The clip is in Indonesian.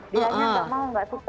dia aja gak mau gak suka